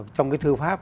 và trong cái thư pháp